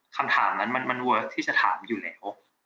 คำถามนั้นมันเวิร์คที่จะถามอยู่แล้ว